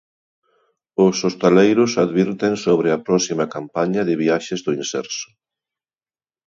Os hostaleiros advirten sobre a próxima campaña de viaxes do Imserso.